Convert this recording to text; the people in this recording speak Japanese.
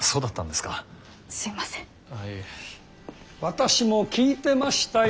私も聞いてましたよ。